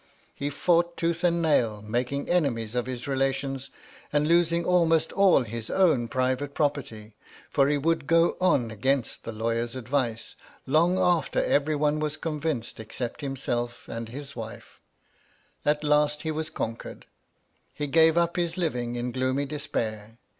He fought tooth and nail, making enemies of his relations, and losing almost all his own private property ; for he would go on against the lawyer's advice, long after every one was convinced MY LADY LUDLOW. 301 except himself and his wife. At last he was conquered. He gave up his liying in gloomy despair.